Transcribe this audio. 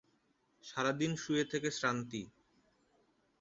সারাদিন শুয়ে থেকে শ্রান্তি!